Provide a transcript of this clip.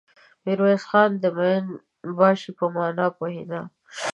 ميرويس خان د مين باشي په مانا پوهېده.